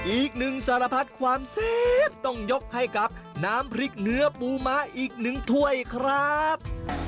อีกหนึ่งสารพัดความแซ่บต้องยกให้กับน้ำพริกเนื้อปูม้าอีกหนึ่งถ้วยครับ